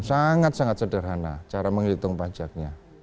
sangat sangat sederhana cara menghitung pajaknya